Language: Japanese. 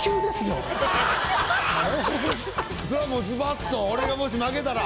それはもうズバッと「俺が」負けたら？